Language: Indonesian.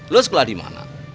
lu sekolah di mana